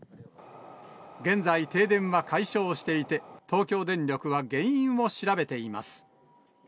現在、停電は解消していて、東京電力は原因を調べています。